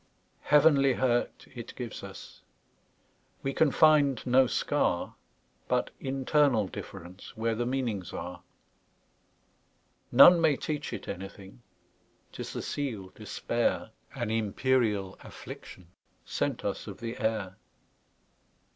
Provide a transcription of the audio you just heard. Heavenly hurt it gives us; We can find no scar, But internal differenceWhere the meanings are. None may teach it anything,'T is the seal, despair,—An imperial afflictionSent us of the air.